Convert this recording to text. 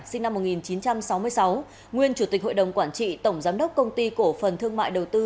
sinh năm một nghìn chín trăm sáu mươi sáu nguyên chủ tịch hội đồng quản trị tổng giám đốc công ty cổ phần thương mại đầu tư